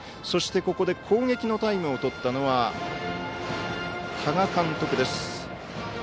そして、ここで攻撃のタイムをとったのは多賀監督です。